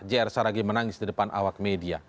jr saragi menangis di depan awak media